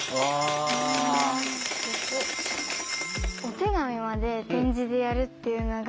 お手紙まで点字でやるっていうのが